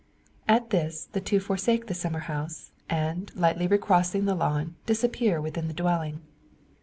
At this the two forsake the summer house; and, lightly recrossing the lawn, disappear within the dwelling.